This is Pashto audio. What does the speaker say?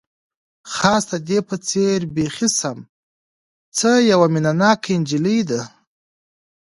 خاص د دې په څېر، بیخي سم، څه یوه مینه ناکه انجلۍ ده.